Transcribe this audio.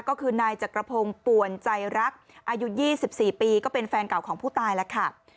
ก็คือนายจักรพงศ์ป่วนใจรักอายุ๒๔ปีก็เป็นแฟนเก่าของผู้ตายแล้วค่ะ